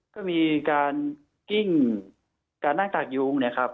ก็มีการกิ้งการนั่งกากยุ้งเนี่ยครับ